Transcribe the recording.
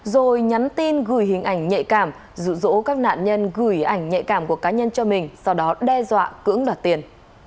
rồi nhắn tin gửi hình ảnh nhạy cảm dụ dỗ các nạn nhân gửi ảnh nhạy cảm của cá nhân cho mình sau đó đe dọa cưỡng đoạt tiền